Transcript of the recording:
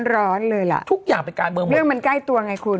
ร้อนเลยล่ะเรื่องมันใกล้ตัวไงคุณ